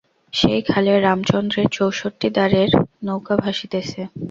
সেই খালে রামচন্দ্রের চৌষট্টি দাঁড়ের নৌকা ভাসিতেছে।